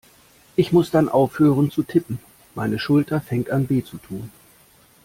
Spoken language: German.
Ich muss dann aufhören zu tippen, meine Schulter fängt an weh zu tun.